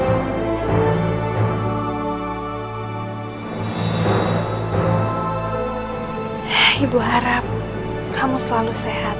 ibu harap kamu selalu sehat